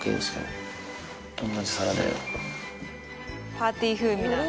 パーティー風味な。